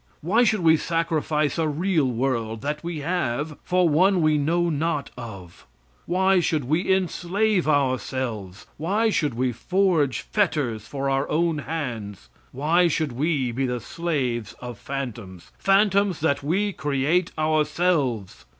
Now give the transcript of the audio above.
Why should we sacrifice a real world that we have for one we know not of? Why should we enslave ourselves? Why should we forge fetters for our own hands? Why should we be the slaves of phantoms phantoms that we create ourselves?